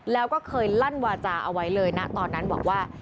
แล้วก็เคยลั่นวาจาเอาไว้เลยนะตอนนั้นบอกว่า